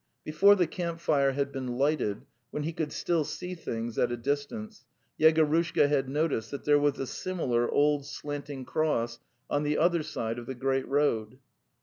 Before the camp fire had been lighted, when he could still see things at a distance, Yegorushka had noticed that there was a similar old slanting cross on the other side of the great road.